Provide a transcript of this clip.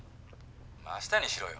明日にしろよ。